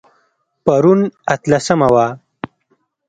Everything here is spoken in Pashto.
پرون اتلسمه وه